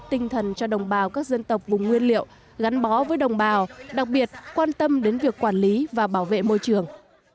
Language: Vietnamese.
tinh thần cho đồng bào các dân tộc vùng nguyên liệu gắn bó với đồng bào đặc biệt quan tâm đến việc quản lý và bảo vệ môi trường